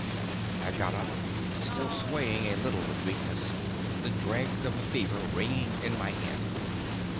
I got up, still swaying a little with weakness, the dregs of the fever ringing in my head.